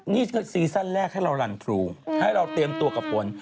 นี่ซีซั่นแรกให้เรารันทรูให้เราเตรียมตัวกับฝน